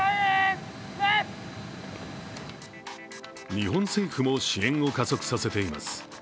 日本政府も支援を加速させています。